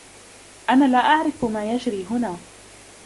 أنا لا أعرف ما يجري هنا.